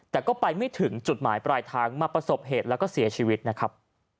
แต่ก็ไปไม่ถึงจุดหมายปลายทางมาประสบเหตุแล้วก็เสียชีวิตนะครับ